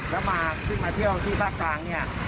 แล้วมาเครื่องมาเที่ยวที่ภาคกลางนี่